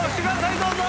どうぞ。